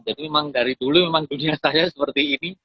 jadi memang dari dulu memang dunia saya seperti ini